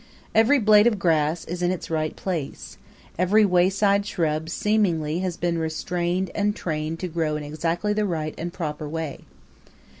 Every blade of grass is in its right place; every wayside shrub seemingly has been restrained and trained to grow in exactly the right and the proper way.